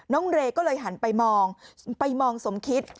เรย์ก็เลยหันไปมองไปมองสมคิด